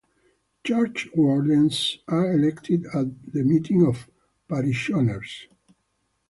Churchwardens are elected at the Meeting of Parishioners.